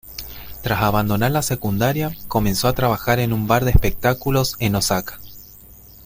Tras abandonar la secundaria, comenzó a trabajar en un bar de espectáculos en Osaka.